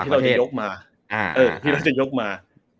พี่เราจะยกมา